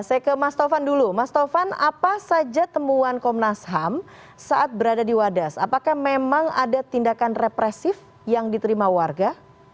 saya ke mas tovan dulu mas tovan apa saja temuan komnas ham saat berada di wadas apakah memang ada tindakan represif yang diterima warga